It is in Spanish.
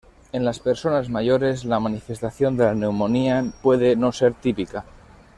En las personas mayores, la manifestación de la neumonía puede no ser típica.